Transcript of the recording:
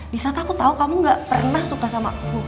di saat aku tahu kamu gak pernah suka sama aku